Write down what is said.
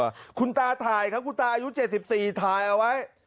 คุณตาถ่ายครับคุณตาอายุ๗๔ถ่ายเอาไว้